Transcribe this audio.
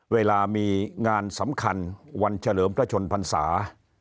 เวลามีงานสำคัญวันเฉลิมพระชนพรรษา